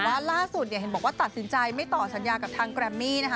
ล่าสุดเนี่ยเห็นบอกว่าตัดสินใจไม่ต่อสัญญากับทางแกรมมี่นะคะ